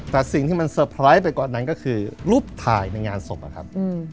แต่สิ่งที่มันเตอร์ไพรส์ไปกว่านั้นก็คือรูปถ่ายในงานศพนะครับ